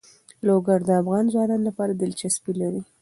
لوگر د افغان ځوانانو لپاره دلچسپي لري.